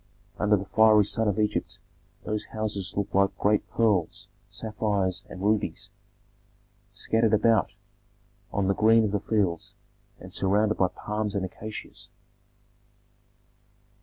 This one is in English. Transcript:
Under the fiery sun of Egypt those houses looked like great pearls, sapphires, and rubies, scattered about on the green of the fields, and surrounded by palms and acacias.